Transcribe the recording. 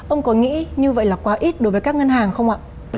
ông có nghĩ như vậy là quá ít đối với các ngân hàng không ạ